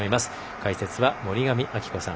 解説は森上亜希子さん